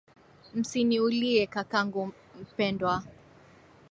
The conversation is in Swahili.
Msiniulie kakangu mpendwa.